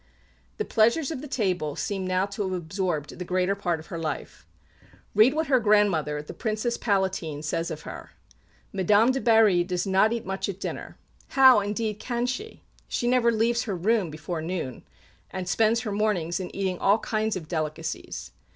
The pleasures of the table seem now to have absorbed the greater part of her life. Read what her grandmother, the Princess Palatine, says of her: "Madame de Berry does not eat much at dinner. How, indeed, can she? She never leaves her room before noon, and spends her mornings in eating all kinds of delicacies.